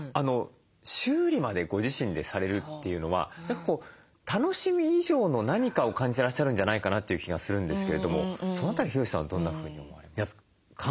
修理までご自身でされるというのは楽しみ以上の何かを感じてらっしゃるんじゃないかなという気がするんですけれどもその辺りヒロシさんはどんなふうに思われますか？